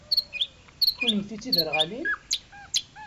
Kennemti d tiderɣalin?